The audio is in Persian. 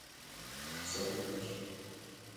زالوک